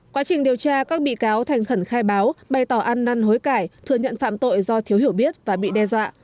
quá trình điều tra các bị cáo thành khẩn khai báo bày tỏ ăn năn hối cải thừa nhận phạm tội do thiếu hiểu biết và bị đe dọa